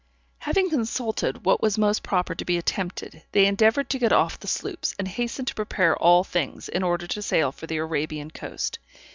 Having consulted what was most proper to be attempted they endeavored to get off the sloops, and hastened to prepare all things, in order to sail for the Arabian coast.